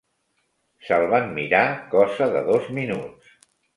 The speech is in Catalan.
Se'l van mirar cosa de dos minuts